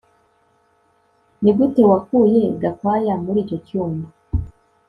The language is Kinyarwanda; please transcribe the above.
Nigute wakuye Gakwaya muri icyo cyumba